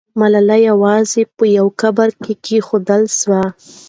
ملالۍ یوازې په یو قبر کې کښېښودل سوه.